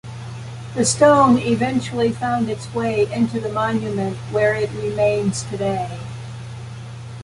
The stone eventually found its way into the monument where it remains today.